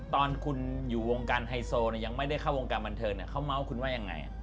ตอนคุณอยู่วงการไฮโซยังไม่ได้เข้าวงการบันเทิงเขาเมาส์คุณว่ายังไง